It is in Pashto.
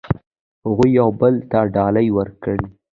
هغوی یو بل ته ډالۍ ورکړې.